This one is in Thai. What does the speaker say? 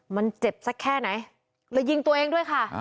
มันเจ็บสักแค่ไหนเลยยิงตัวเองด้วยค่ะ